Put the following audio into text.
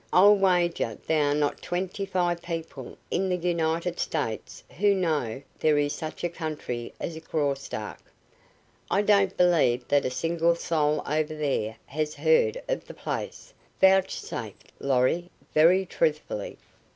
I'll wager there are not twenty five people in the United States who know there is such a country as Graustark." "I don't believe that a single soul over there has heard of the place," vouchsafed Lorry, very truthfully.